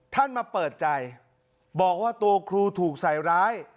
ท่านมาเปิดใจบอกว่าตัวครูถูกใส่ร้าย